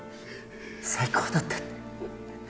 最高だったって